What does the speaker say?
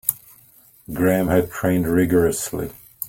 Graham had trained rigourously.